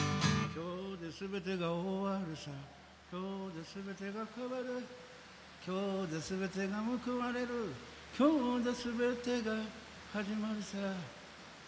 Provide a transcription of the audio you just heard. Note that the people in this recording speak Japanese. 「今日ですべてが終るさ今日ですべてが変わる」「今日ですべてがむくわれる」「今日ですべてが始まるさ」